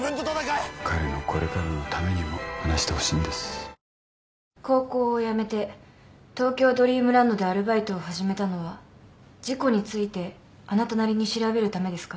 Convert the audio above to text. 新「アタックＺＥＲＯ」高校を辞めて東京ドリームランドでアルバイトを始めたのは事故についてあなたなりに調べるためですか？